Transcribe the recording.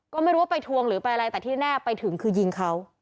ก็ไม่รู้ว่าไปทวงหรือไปอะไรแต่ที่แน่ไปถึงคือยิงเขา